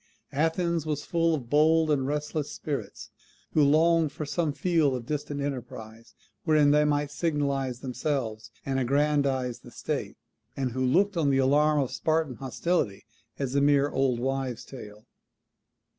Athens was full of bold and restless spirits, who longed for some field of distant enterprise, wherein they might signalize themselves, and aggrandize the state; and who looked on the alarm of Spartan hostility as a mere old woman's tale.